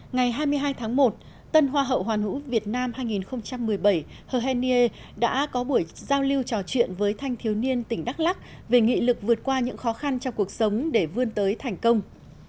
ngày hai mươi hai tháng một tân hoa hậu hoàn hữu việt nam hai nghìn một mươi bảy henryer đã có buổi giao lưu trò chuyện với thanh thiếu niên tỉnh đắk lắc về nghị lực vượt qua những khó khăn trong cuộc sống để vươn tới thành công